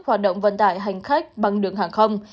hoạt động vận tải hành khách bằng đường hàng không